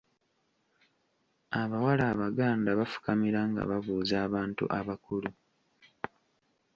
Abawala Abaganda bafukamira nga babuuza abantu abakulu.